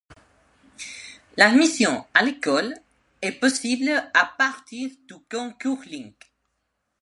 L'admission à l'école est possible à partir du concours link.